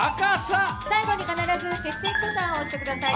最後に必ず決定ボタンを押してください。